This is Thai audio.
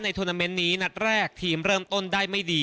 ในทวนเทวนเม้นนี้นัดแรกทีมเริ่มต้นได้ไม่ดี